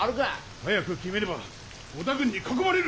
早く決めねば織田軍に囲まれる！